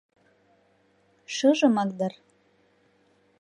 — Шыжымак дыр.